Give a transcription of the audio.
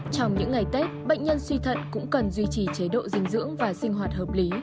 trong những ngày tết bệnh nhân suy thận cũng cần duy trì chế độ dinh dưỡng và sinh hoạt hợp lý